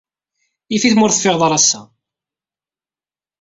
Yif-it ma ur teffiɣed ara ass-a.